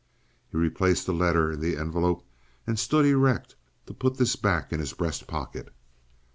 He replaced the letter in the envelope and stood erect to put this back in his breast pocket.